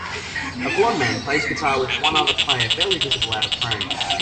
A blond man plays guitar with one other player barely visible out of frame.